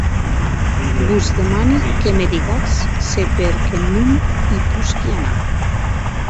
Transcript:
Vos demani que me digatz se per qué non i posqui anar.